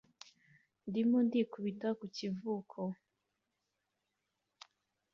Ndimo ndikubita ku kivuko